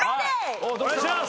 お願いします。